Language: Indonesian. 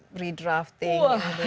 berapa kali redrafting